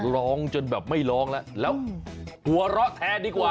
ร้องจนแบบไม่ร้องแล้วแล้วหัวเราะแทนดีกว่า